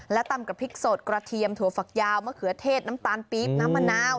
และตำกับพริกสดกระเทียมถั่วฝักยาวมะเขือเทศน้ำตาลปี๊บน้ำมะนาว